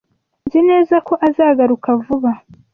Nzi neza ko azagaruka vuba.